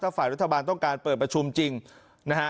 ฝ่ายรัฐบาลต้องการเปิดประชุมจริงนะฮะ